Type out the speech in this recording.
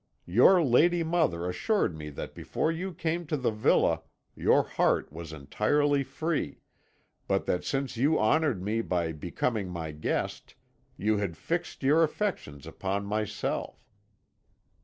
Your lady mother assured me that before you came to the villa your heart was entirely free, but that since you honoured me by becoming my guest, you had fixed your affections upon myself.